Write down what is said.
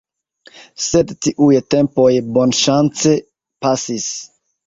Sed tiuj tempoj bonŝance pasis.